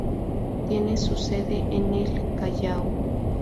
Tiene su sede en el Callao.